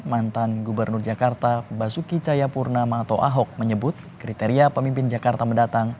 mantan gubernur jakarta basuki cayapurnama atau ahok menyebut kriteria pemimpin jakarta mendatang